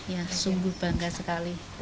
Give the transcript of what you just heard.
ya sungguh bangga sekali